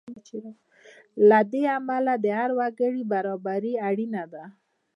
له دې امله د هر وګړي برابري اړینه ده.